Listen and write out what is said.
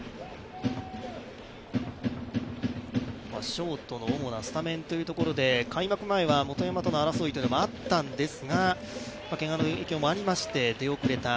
ショートの主なスタメンということで、開幕前は元山との争いもあったんですが、けがの影響もありまして出遅れた。